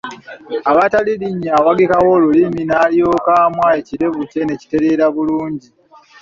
Awatali linnyo awagikawo lulimi nalyoka amwa ekirevu kye ne kitereera bulungi.